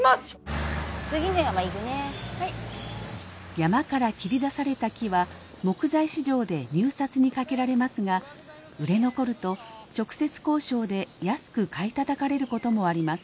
山から切り出された木は木材市場で入札にかけられますが売れ残ると直接交渉で安く買いたたかれることもあります。